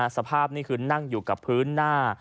สภาพนี่คือนั่งอยู่กับพื้นหน้า